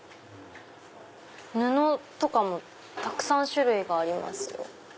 布とかもたくさん種類がありますよ。